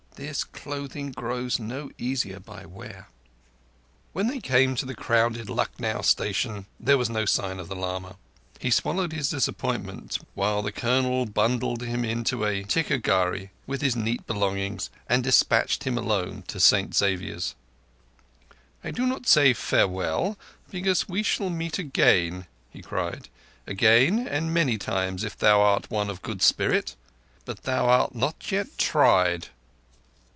This clothing grows no easier by wear." When they came to the crowded Lucknow station there was no sign of the lama. He swallowed his disappointment, while the Colonel bundled him into a ticca gharri with his neat belongings and despatched him alone to St Xavier's. "I do not say farewell, because we shall meet again," he cried. "Again, and many times, if thou art one of good spirit. But thou art not yet tried."